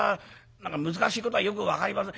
何か難しいことはよく分かりません。